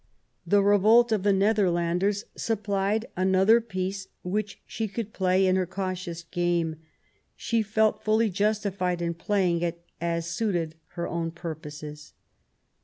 The revolt of the Netherlands supplied another piece which she could play in her cautious game. She felt fully justified in playing it as suited her own purposes.